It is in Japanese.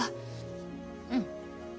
うん。